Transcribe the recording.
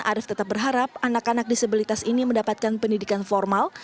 arief tetap berharap anak anak disabilitas ini mendapatkan pendidikan formal